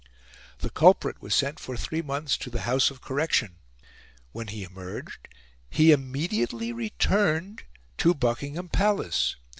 The culprit was sent for three months to the "House of Correction." When he emerged, he immediately returned to Buckingham Palace.